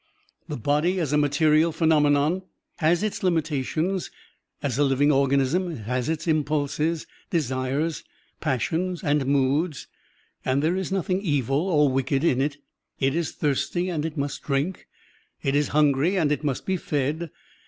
The body as a material phenomenon has its limitations, as a living organism has its impulses, desires, pas sions, and moods; and there is nothing evil or wicked in it. It is thirsty and it must drink; it is htmgry and it must be fed.